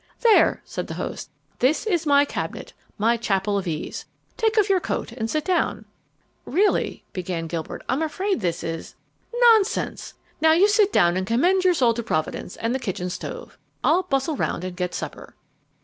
"There," said the host; "this is my cabinet, my chapel of ease. Take off your coat and sit down." "Really," began Gilbert, "I'm afraid this is " "Nonsense! Now you sit down and commend your soul to Providence and the kitchen stove. I'll bustle round and get supper."